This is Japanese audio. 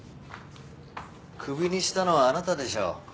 首にしたのはあなたでしょ？